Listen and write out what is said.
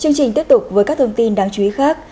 chương trình tiếp tục với các thông tin đáng chú ý khác